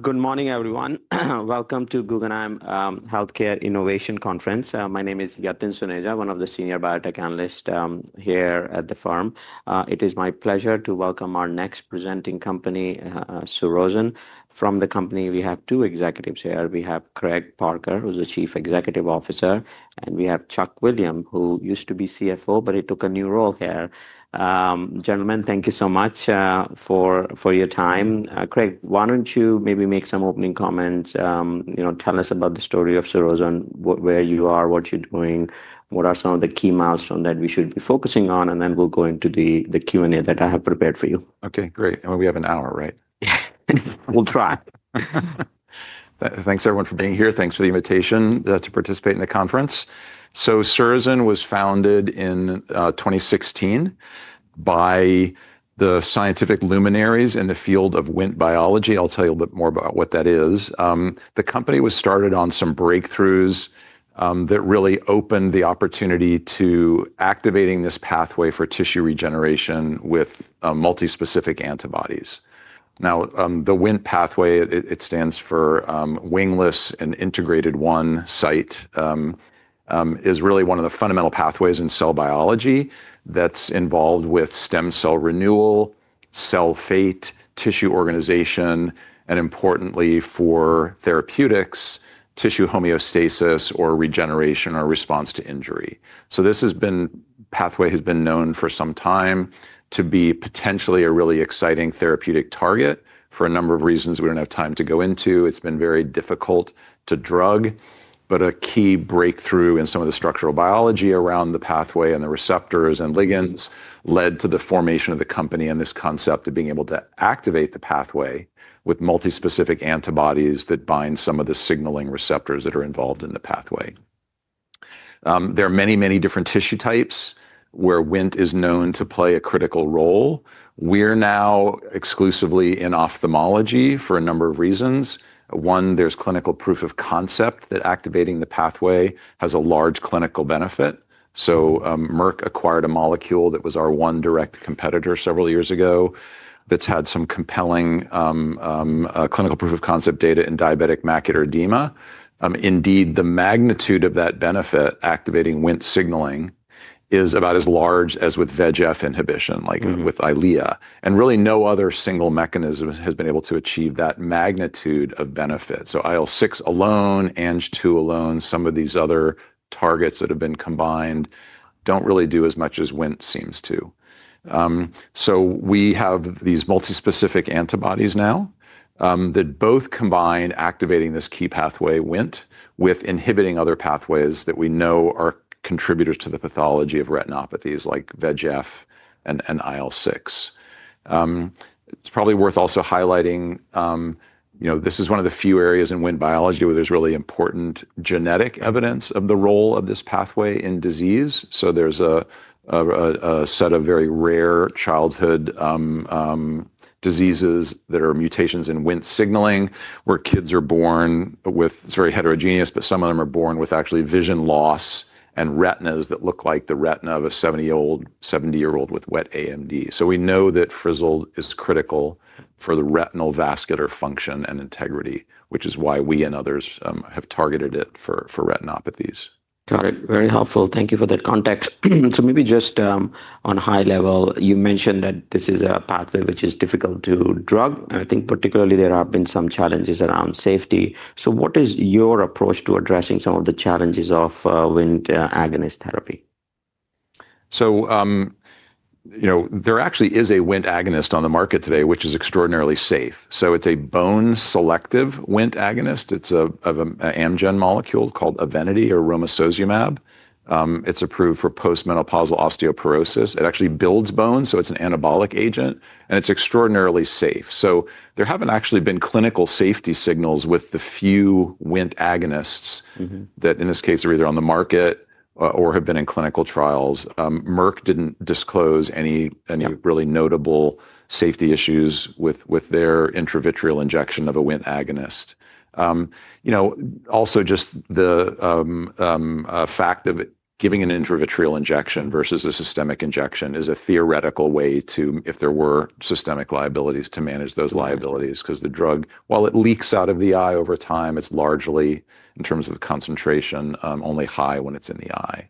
Good morning, everyone. Welcome to Guggenheim Healthcare Innovation Conference. My name is Yatin Suneja, one of the senior biotech analysts here at the firm. It is my pleasure to welcome our next presenting company, Surrozen. From the company, we have two executives here. We have Craig Parker, who's the Chief Executive Officer, and we have Chuck Williams, who used to be CFO, but he took a new role here. Gentlemen, thank you so much for your time. Craig, why don't you maybe make some opening comments? Tell us about the story of Surrozen, where you are, what you're doing, what are some of the key milestones that we should be focusing on, and then we'll go into the Q&A that I have prepared for you. Okay, great. I mean, we have an hour, right? Yes, we'll try. Thanks, everyone, for being here. Thanks for the invitation to participate in the conference. Surrozen was founded in 2016 by the scientific luminaries in the field of Wnt biology. I'll tell you a little bit more about what that is. The company was started on some breakthroughs that really opened the opportunity to activate this pathway for tissue regeneration with multispecific antibodies. Now, the Wnt pathway, it stands for Wingless and Integrated One Site, is really one of the fundamental pathways in cell biology that's involved with stem cell renewal, cell fate, tissue organization, and importantly, for therapeutics, tissue homeostasis or regeneration or response to injury. This pathway has been known for some time to be potentially a really exciting therapeutic target for a number of reasons we don't have time to go into. It's been very difficult to drug, but a key breakthrough in some of the structural biology around the pathway and the receptors and ligands led to the formation of the company and this concept of being able to activate the pathway with multispecific antibodies that bind some of the signaling receptors that are involved in the pathway. There are many, many different tissue types where Wnt is known to play a critical role. We're now exclusively in ophthalmology for a number of reasons. One, there's clinical proof of concept that activating the pathway has a large clinical benefit. Merck acquired a molecule that was our one direct competitor several years ago that's had some compelling clinical proof of concept data in diabetic macular edema. Indeed, the magnitude of that benefit activating Wnt signaling is about as large as with VEGF inhibition, like with Eylea. Really, no other single mechanism has been able to achieve that magnitude of benefit. IL-6 alone, Ang-2 alone, some of these other targets that have been combined do not really do as much as Wnt seems to. We have these multispecific antibodies now that both combine activating this key pathway, Wnt, with inhibiting other pathways that we know are contributors to the pathology of retinopathies like VEGF and IL-6. It is probably worth also highlighting this is one of the few areas in Wnt biology where there is really important genetic evidence of the role of this pathway in disease. There is a set of very rare childhood diseases that are mutations in Wnt signaling where kids are born with, it is very heterogeneous, but some of them are born with actually vision loss and retinas that look like the retina of a 70-year-old with wet AMD. We know that Frizzled is critical for the retinal vascular function and integrity, which is why we and others have targeted it for retinopathies. Got it. Very helpful. Thank you for that context. Maybe just on a high level, you mentioned that this is a pathway which is difficult to drug. I think particularly there have been some challenges around safety. What is your approach to addressing some of the challenges of Wnt agonist therapy? There actually is a Wnt agonist on the market today which is extraordinarily safe. It is a bone-selective Wnt agonist. It is an Amgen molecule called Evenity or Romosozumab. It is approved for postmenopausal osteoporosis. It actually builds bone, so it is an anabolic agent, and it is extraordinarily safe. There have not actually been clinical safety signals with the few Wnt agonists that in this case are either on the market or have been in clinical trials. Merck did not disclose any really notable safety issues with their intravitreal injection of a Wnt agonist. Also, just the fact of giving an intravitreal injection versus a systemic injection is a theoretical way to, if there were systemic liabilities, to manage those liabilities because the drug, while it leaks out of the eye over time, is largely, in terms of the concentration, only high when it is in the eye.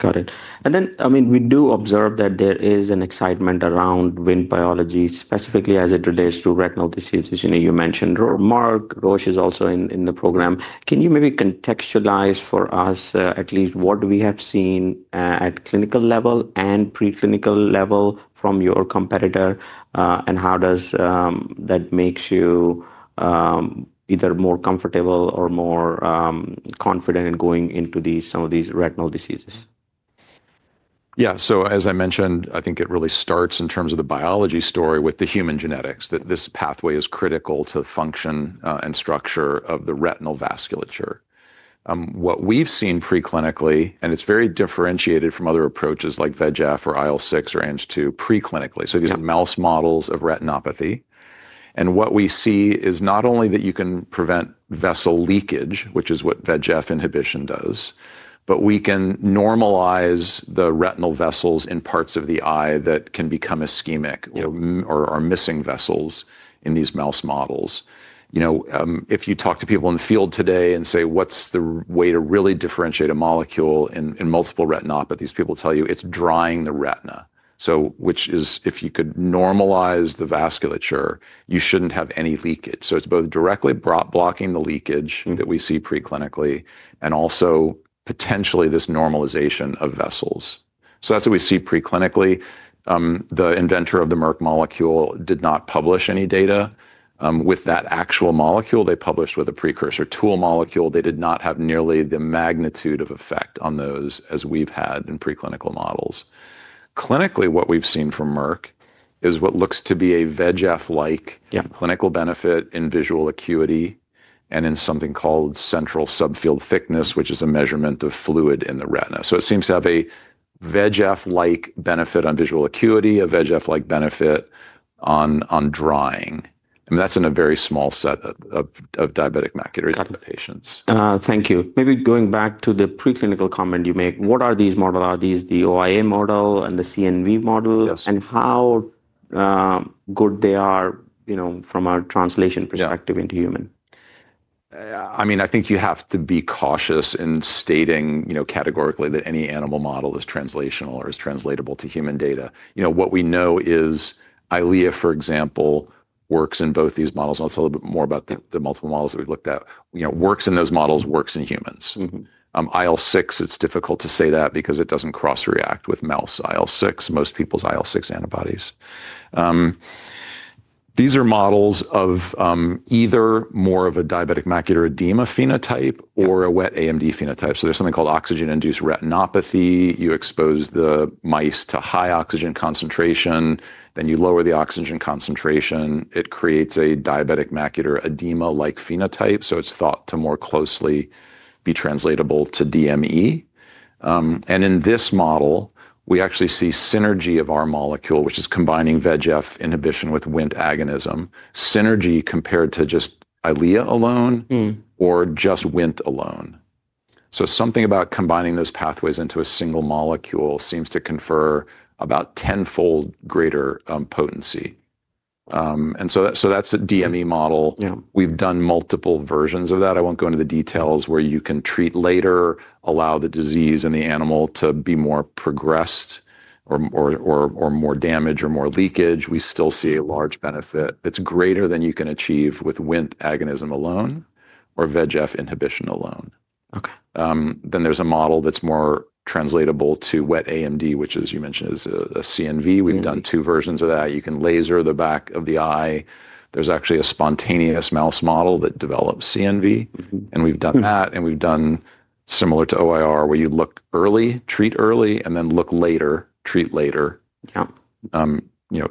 Got it. I mean, we do observe that there is an excitement around Wnt biology, specifically as it relates to retinal disease, as you mentioned, or Merck. Roche is also in the program. Can you maybe contextualize for us at least what we have seen at clinical level and preclinical level from your competitor, and how does that make you either more comfortable or more confident in going into some of these retinal diseases? Yeah. As I mentioned, I think it really starts in terms of the biology story with the human genetics, that this pathway is critical to the function and structure of the retinal vasculature. What we've seen preclinically, and it's very differentiated from other approaches like VEGF or IL-6 or Ang-2 preclinically, these are mouse models of retinopathy. What we see is not only that you can prevent vessel leakage, which is what VEGF inhibition does, but we can normalize the retinal vessels in parts of the eye that can become ischemic or are missing vessels in these mouse models. If you talk to people in the field today and say, "What's the way to really differentiate a molecule in multiple retinopathies?" people tell you, "It's drying the retina," which is, if you could normalize the vasculature, you shouldn't have any leakage. It's both directly blocking the leakage that we see preclinically and also potentially this normalization of vessels. That's what we see preclinically. The inventor of the Merck molecule did not publish any data. With that actual molecule, they published with a precursor tool molecule. They did not have nearly the magnitude of effect on those as we've had in preclinical models. Clinically, what we've seen from Merck is what looks to be a VEGF-like clinical benefit in visual acuity and in something called central subfield thickness, which is a measurement of fluid in the retina. It seems to have a VEGF-like benefit on visual acuity, a VEGF-like benefit on drying. I mean, that's in a very small set of diabetic macular edema patients. Thank you. Maybe going back to the preclinical comment you made, what are these models? Are these the OIR model and the CNV model? Yes. How good are they from a translation perspective into human? I mean, I think you have to be cautious in stating categorically that any animal model is translational or is translatable to human data. What we know is Eylea, for example, works in both these models. I'll tell you a little bit more about the multiple models that we've looked at. Works in those models, works in humans. IL-6, it's difficult to say that because it doesn't cross-react with mouse IL-6, most people's IL-6 antibodies. These are models of either more of a diabetic macular edema phenotype or a wet AMD phenotype. There is something called oxygen-induced retinopathy. You expose the mice to high oxygen concentration, then you lower the oxygen concentration. It creates a diabetic macular edema-like phenotype. It is thought to more closely be translatable to DME. In this model, we actually see synergy of our molecule, which is combining VEGF inhibition with Wnt agonism, synergy compared to just Eylea alone or just Wnt alone. Something about combining those pathways into a single molecule seems to confer about tenfold greater potency. That is a DME model. We have done multiple versions of that. I will not go into the details where you can treat later, allow the disease in the animal to be more progressed or more damage or more leakage. We still see a large benefit that is greater than you can achieve with Wnt agonism alone or VEGF inhibition alone. There is a model that is more translatable to wet AMD, which, as you mentioned, is a CNV. We have done two versions of that. You can laser the back of the eye. There is actually a spontaneous mouse model that develops CNV, and we have done that. We have done similar to OIR where you look early, treat early, and then look later, treat later,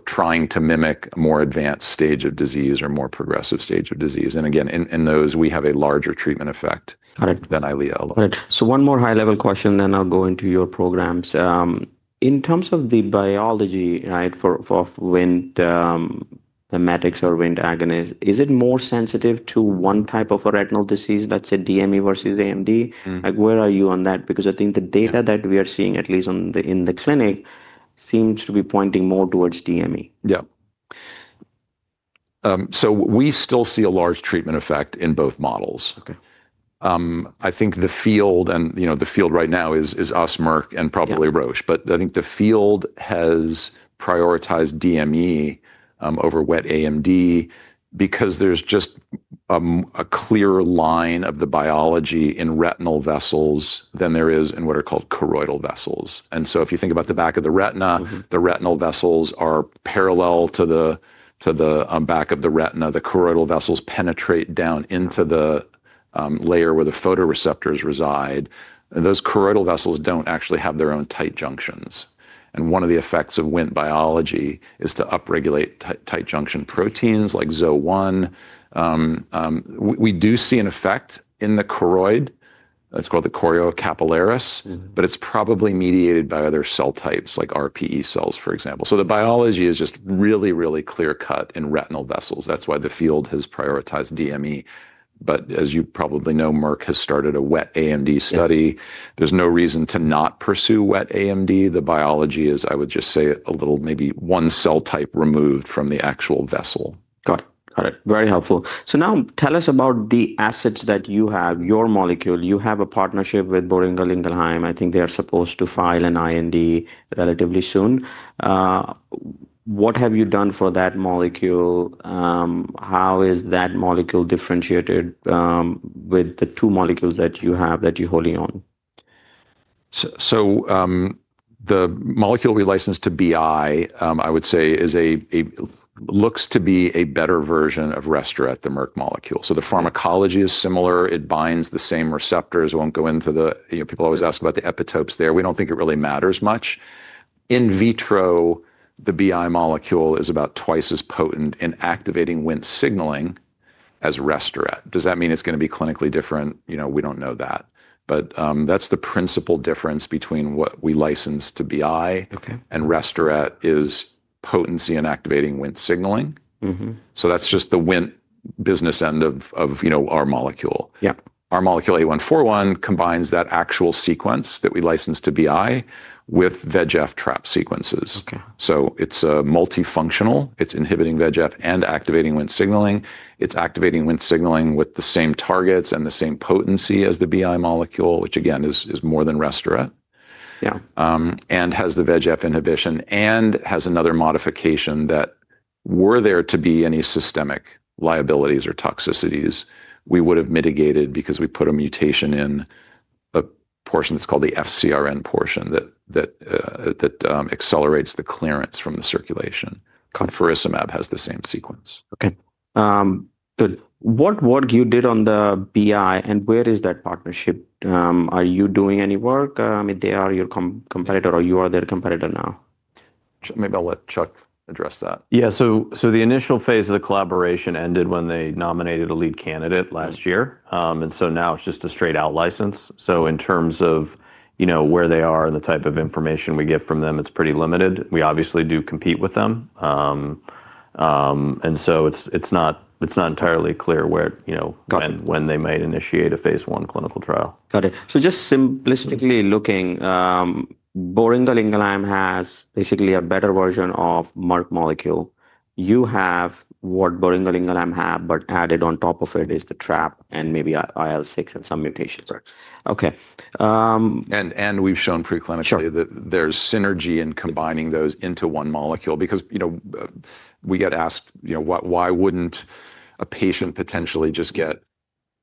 trying to mimic a more advanced stage of disease or a more progressive stage of disease. In those, we have a larger treatment effect than Eylea alone. Got it. So one more high-level question, then I'll go into your programs. In terms of the biology for Wnt, the matrix or Wnt agonist, is it more sensitive to one type of a retinal disease, let's say DME versus AMD? Where are you on that? Because I think the data that we are seeing, at least in the clinic, seems to be pointing more towards DME. Yeah. We still see a large treatment effect in both models. I think the field, and the field right now is us, Merck, and probably Roche, but I think the field has prioritized DME over wet AMD because there is just a clearer line of the biology in retinal vessels than there is in what are called choroidal vessels. If you think about the back of the retina, the retinal vessels are parallel to the back of the retina. The choroidal vessels penetrate down into the layer where the photoreceptors reside. Those choroidal vessels do not actually have their own tight junctions. One of the effects of Wnt biology is to upregulate tight junction proteins like Zo1. We do see an effect in the choroid. It is called the choriocapillaris, but it is probably mediated by other cell types like RPE cells, for example. The biology is just really, really clear-cut in retinal vessels. That's why the field has prioritized DME. As you probably know, Merck has started a wet AMD study. There's no reason to not pursue wet AMD. The biology is, I would just say, a little maybe one cell type removed from the actual vessel. Got it. Got it. Very helpful. Now tell us about the assets that you have, your molecule. You have a partnership with Boehringer Ingelheim. I think they are supposed to file an IND relatively soon. What have you done for that molecule? How is that molecule differentiated with the two molecules that you have that you're holding on? The molecule we licensed to BI, I would say, looks to be a better version of RESTRA, the Merck molecule. The pharmacology is similar. It binds the same receptors. I will not go into the people always ask about the epitopes there. We do not think it really matters much. In vitro, the BI molecule is about twice as potent in activating Wnt signaling as RESTRA. Does that mean it is going to be clinically different? We do not know that. That is the principal difference between what we licensed to BI and RESTRA, potency in activating Wnt signaling. That is just the Wnt business end of our molecule. Our molecule 8141 combines that actual sequence that we licensed to BI with VEGF trap sequences. It is multifunctional. It is inhibiting VEGF and activating Wnt signaling. It's activating Wnt signaling with the same targets and the same potency as the BI molecule, which again is more than RESTRA and has the VEGF inhibition and has another modification that were there to be any systemic liabilities or toxicities, we would have mitigated because we put a mutation in a portion that's called the FcRn portion that accelerates the clearance from the circulation. Faricimab has the same sequence. Okay. Good. What work you did on the BI, and where is that partnership? Are you doing any work? I mean, they are your competitor, or you are their competitor now? Maybe I'll let Chuck address that. Yeah. The initial phase of the collaboration ended when they nominated a lead candidate last year. Now it's just a straight-out license. In terms of where they are and the type of information we get from them, it's pretty limited. We obviously do compete with them. It's not entirely clear when they might initiate a phase one clinical trial. Got it. Just simplistically looking, Boehringer Ingelheim has basically a better version of Merck molecule. You have what Boehringer Ingelheim have, but added on top of it is the trap and maybe IL-6 and some mutations. Correct. Okay. We have shown preclinically that there is synergy in combining those into one molecule because we get asked, "Why would not a patient potentially just get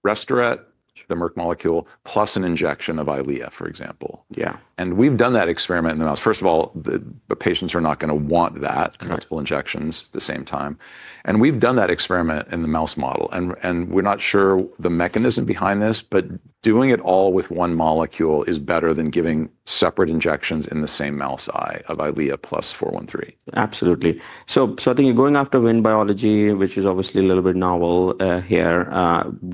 RESTRA, the Merck molecule, plus an injection of Eylea, for example?" Yeah. We have done that experiment in the mouse. First of all, the patients are not going to want that in multiple injections at the same time. We have done that experiment in the mouse model. We are not sure the mechanism behind this, but doing it all with one molecule is better than giving separate injections in the same mouse eye of Eylea plus 413. Absolutely. I think you're going after Wnt biology, which is obviously a little bit novel here.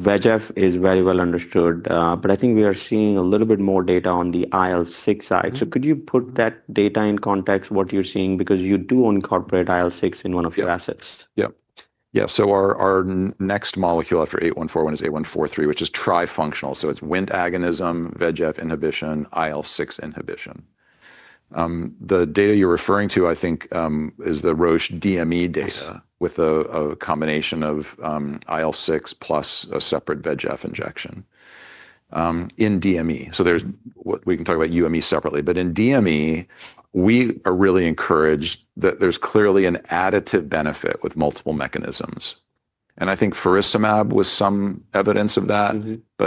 VEGF is very well understood, but I think we are seeing a little bit more data on the IL-6 side. Could you put that data in context, what you're seeing, because you do incorporate IL-6 in one of your assets? Yeah. Yeah. Our next molecule after 8141 is 8143, which is trifunctional. It is Wnt agonism, VEGF inhibition, IL-6 inhibition. The data you're referring to, I think, is the Roche DME data with a combination of IL-6 plus a separate VEGF injection in DME. We can talk about UME separately. In DME, we are really encouraged that there's clearly an additive benefit with multiple mechanisms. I think faricimab was some evidence of that.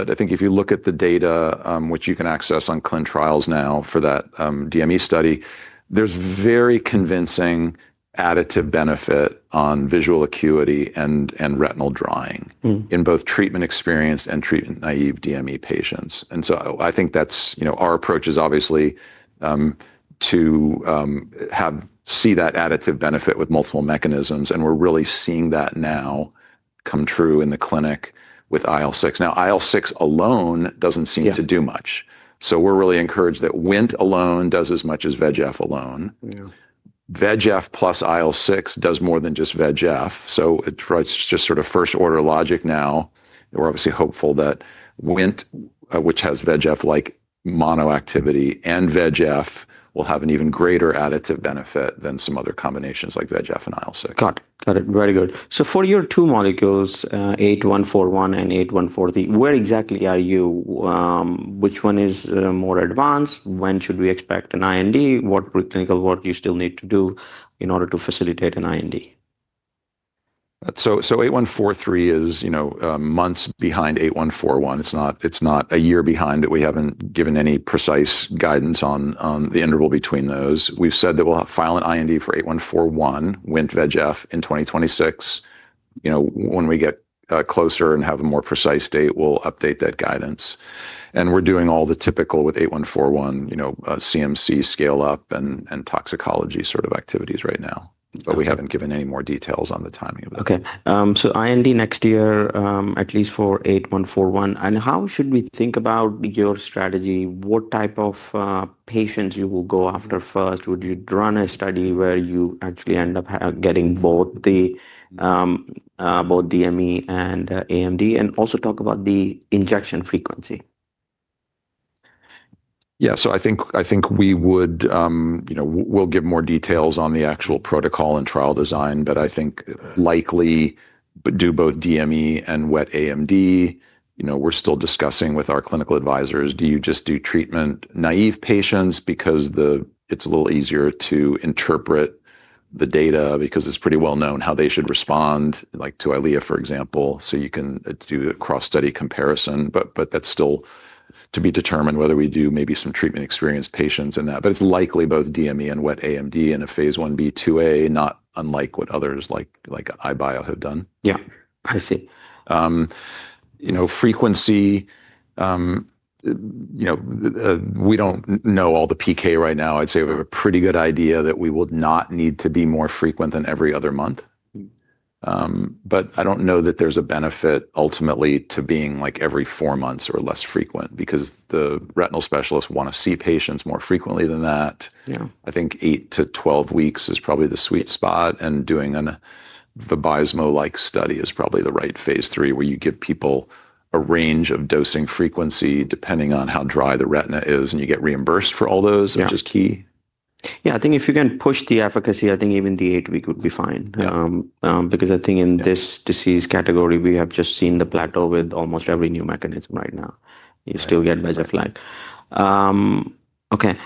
I think if you look at the data, which you can access on ClinTrials now for that DME study, there's very convincing additive benefit on visual acuity and retinal drying in both treatment experienced and treatment naive DME patients. I think that's our approach is obviously to see that additive benefit with multiple mechanisms. We're really seeing that now come true in the clinic with IL-6. Now, IL-6 alone doesn't seem to do much. So we're really encouraged that Wnt alone does as much as VEGF alone. VEGF plus IL-6 does more than just VEGF. So it's just sort of first-order logic now. We're obviously hopeful that Wnt, which has VEGF-like monoactivity and VEGF, will have an even greater additive benefit than some other combinations like VEGF and IL-6. Got it. Got it. Very good. For your two molecules, 8141 and 8143, where exactly are you? Which one is more advanced? When should we expect an IND? What preclinical work do you still need to do in order to facilitate an IND? 8143 is months behind 8141. It's not a year behind, but we haven't given any precise guidance on the interval between those. We've said that we'll file an IND for 8141, Wnt, VEGF in 2026. When we get closer and have a more precise date, we'll update that guidance. We're doing all the typical with 8141, CMC scale-up and toxicology sort of activities right now. We haven't given any more details on the timing of that. Okay. IND next year, at least for 8141. How should we think about your strategy? What type of patients you will go after first? Would you run a study where you actually end up getting both DME and AMD and also talk about the injection frequency? Yeah. So I think we would, we'll give more details on the actual protocol and trial design, but I think likely do both DME and wet AMD. We're still discussing with our clinical advisors, do you just do treatment naive patients because it's a little easier to interpret the data because it's pretty well known how they should respond, like to Eylea, for example. You can do a cross-study comparison, but that's still to be determined whether we do maybe some treatment experienced patients in that. It's likely both DME and wet AMD in a phase one B2A, not unlike what others like IBIO have done. Yeah. I see. Frequency, we do not know all the PK right now. I'd say we have a pretty good idea that we will not need to be more frequent than every other month. I do not know that there is a benefit ultimately to being like every four months or less frequent because the retinal specialists want to see patients more frequently than that. I think 8-12 weeks is probably the sweet spot. Doing a Vabysmo-like study is probably the right phase three where you give people a range of dosing frequency depending on how dry the retina is, and you get reimbursed for all those, which is key. Yeah. I think if you can push the efficacy, I think even the eight week would be fine because I think in this disease category, we have just seen the plateau with almost every new mechanism right now. You still get VEGF-like. Okay.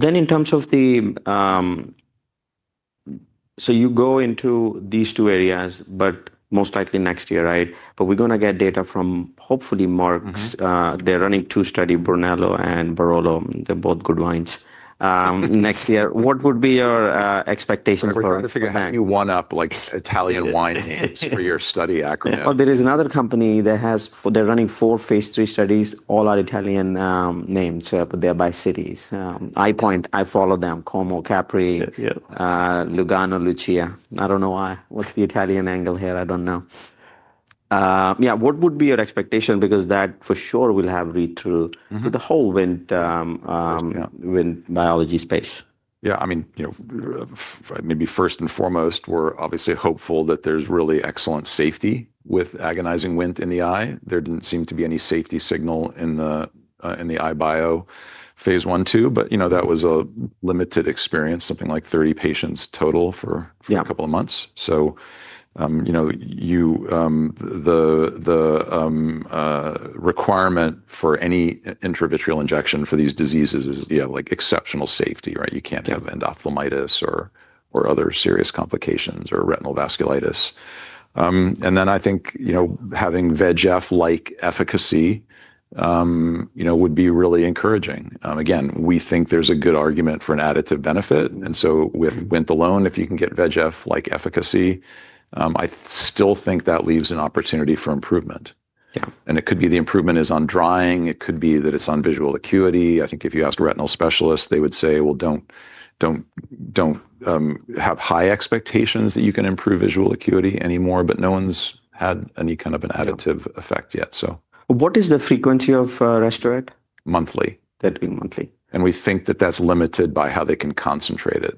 In terms of the, so you go into these two areas, but most likely next year, right? We're going to get data from hopefully Merck. They're running two studies, Brunello and Barolo. They're both good wines. Next year, what would be your expectations for? I'm trying to figure out how you one-up Italian wine names for your study acronym. There is another company that has, they're running four phase three studies, all are Italian names, but they're by cities. I point, I follow them, Como, Capri, Lugano, Lucia. I don't know why. What's the Italian angle here? I don't know. Yeah. What would be your expectation? Because that for sure will have read-through with the whole Wnt biology space. Yeah. I mean, maybe first and foremost, we're obviously hopeful that there's really excellent safety with agonizing Wnt in the eye. There didn't seem to be any safety signal in the IBIO phase I/II, but that was a limited experience, something like 30 patients total for a couple of months. The requirement for any intravitreal injection for these diseases is exceptional safety, right? You can't have endophthalmitis or other serious complications or retinal vasculitis. I think having VEGF-like efficacy would be really encouraging. Again, we think there's a good argument for an additive benefit. With Wnt alone, if you can get VEGF-like efficacy, I still think that leaves an opportunity for improvement. It could be the improvement is on drying. It could be that it's on visual acuity. I think if you ask a retinal specialist, they would say, "Don't have high expectations that you can improve visual acuity anymore," but no one's had any kind of an additive effect yet, so. What is the frequency of RESTRA? Monthly. That'd be monthly. We think that that's limited by how they can concentrate it.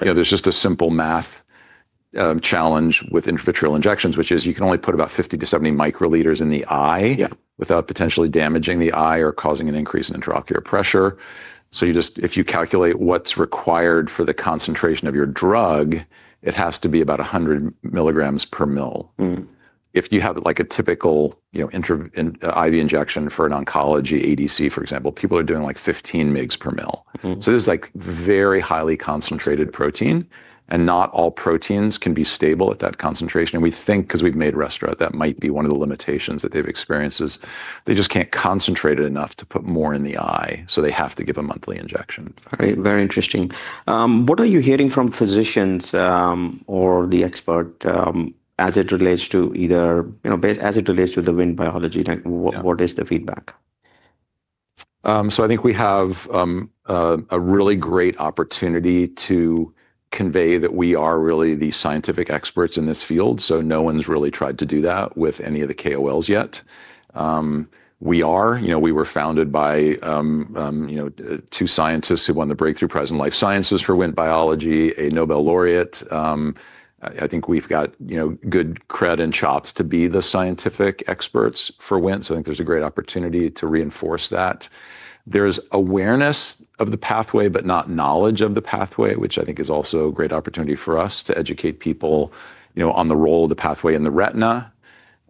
There is just a simple math challenge with intravitreal injections, which is you can only put about 50-70 microliters in the eye without potentially damaging the eye or causing an increase in intraocular pressure. If you calculate what is required for the concentration of your drug, it has to be about 100 ml per ml. If you have like a typical IV injection for an oncology ADC, for example, people are doing like 15 ml per mil. This is like very highly concentrated protein, and not all proteins can be stable at that concentration. We think because we have made RESTRA, that might be one of the limitations that they have experienced is they just cannot concentrate it enough to put more in the eye. They have to give a monthly injection. Very interesting. What are you hearing from physicians or the expert as it relates to either, as it relates to the Wnt biology? What is the feedback? I think we have a really great opportunity to convey that we are really the scientific experts in this field. No one's really tried to do that with any of the KOLs yet. We are. We were founded by two scientists who won the Breakthrough Prize in Life Sciences for Wnt biology, a Nobel laureate. I think we've got good cred and chops to be the scientific experts for Wnt. I think there's a great opportunity to reinforce that. There's awareness of the pathway, but not knowledge of the pathway, which I think is also a great opportunity for us to educate people on the role of the pathway in the retina.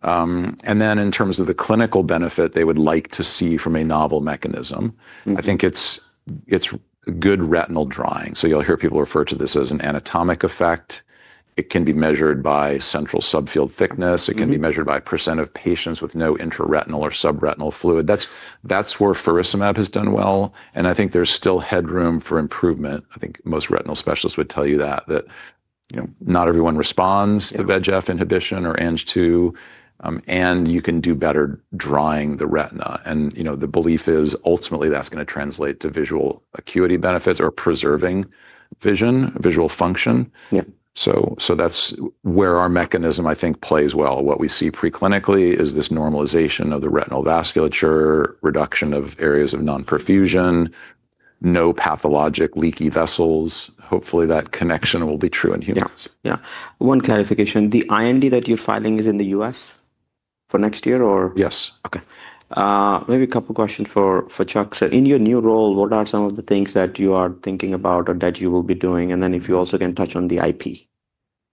In terms of the clinical benefit they would like to see from a novel mechanism, I think it's good retinal drying. You'll hear people refer to this as an anatomic effect. It can be measured by central subfield thickness. It can be measured by a % of patients with no intraretinal or subretinal fluid. That's where faricimab has done well. I think there's still headroom for improvement. I think most retinal specialists would tell you that, that not everyone responds to VEGF inhibition or Ang-2, and you can do better drying the retina. The belief is ultimately that's going to translate to visual acuity benefits or preserving vision, visual function. That's where our mechanism, I think, plays well. What we see preclinically is this normalization of the retinal vasculature, reduction of areas of non-perfusion, no pathologic leaky vessels. Hopefully, that connection will be true in humans. Yeah. Yeah. One clarification. The IND that you're filing is in the U.S. for next year, or? Yes. Okay. Maybe a couple of questions for Chuck. In your new role, what are some of the things that you are thinking about or that you will be doing? If you also can touch on the IP.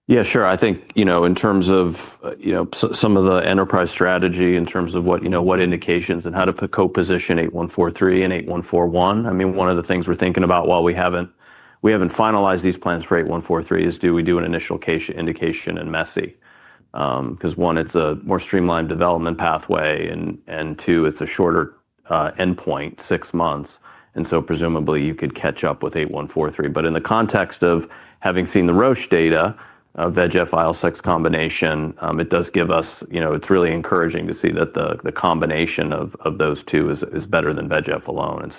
Yeah, sure. I think in terms of some of the enterprise strategy, in terms of what indications and how to co-position 8143 and 8141, I mean, one of the things we're thinking about while we haven't finalized these plans for 8143 is do we do an initial indication in MESI? Because one, it's a more streamlined development pathway, and two, it's a shorter endpoint, six months. Presumably you could catch up with 8143. In the context of having seen the Roche data, VEGF, IL-6 combination, it does give us, it's really encouraging to see that the combination of those two is better than VEGF alone.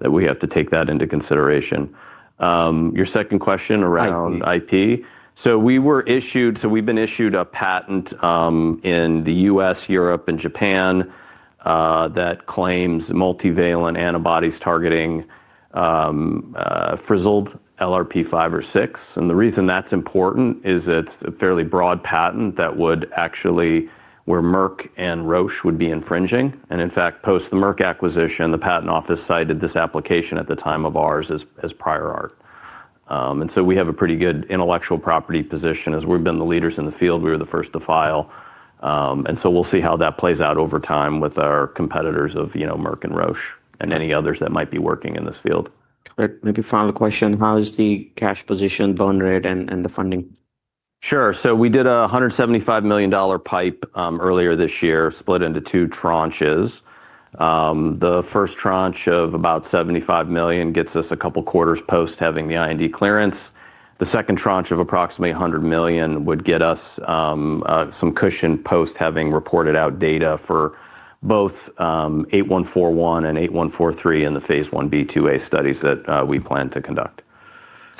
That we have to take into consideration. Your second question around IP. We were issued, so we've been issued a patent in the US, Europe, and Japan that claims multivalent antibodies targeting Frizzled LRP5 or 6. The reason that's important is it's a fairly broad patent that would actually, where Merck and Roche would be infringing. In fact, post the Merck acquisition, the patent office cited this application at the time of ours as prior art. We have a pretty good intellectual property position as we've been the leaders in the field. We were the first to file. We'll see how that plays out over time with our competitors of Merck and Roche and any others that might be working in this field. Great. Maybe final question. How is the cash position, burn rate, and the funding? Sure. So we did a $175 million pipe earlier this year, split into two tranches. The first tranche of about $75 million gets us a couple of quarters post having the IND clearance. The second tranche of approximately $100 million would get us some cushion post having reported out data for both 8141 and 8143 in the phase one B2A studies that we plan to conduct.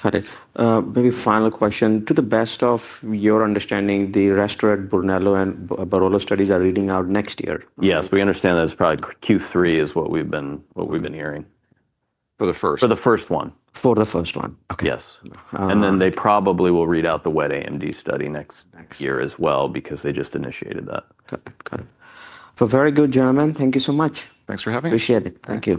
Got it. Maybe final question. To the best of your understanding, the RESTRA, Brunello, and Barolo studies are reading out next year. Yes. We understand that it's probably Q3 is what we've been hearing for the first one. For the first one. Okay. Yes. They probably will read out the wet AMD study next year as well because they just initiated that. Got it. Got it. Very good, gentlemen. Thank you so much. Thanks for having me. Appreciate it. Thank you.